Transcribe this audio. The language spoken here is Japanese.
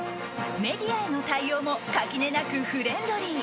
メディアへの対応も垣根なくフレンドリー。